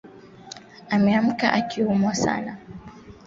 Banaenda ku jenga msalani kuile nyumba ya mupya